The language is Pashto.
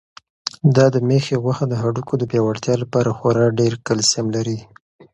دا د مېښې غوښه د هډوکو د پیاوړتیا لپاره خورا ډېر کلسیم لري.